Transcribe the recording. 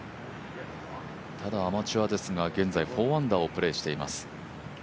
ただアマチュアですが、現在４アンダーをプレーしています